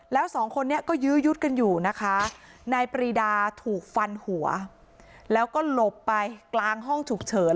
แล้วสองคนนี้ก็ยื้อยุดกันอยู่นะคะนายปรีดาถูกฟันหัวแล้วก็หลบไปกลางห้องฉุกเฉิน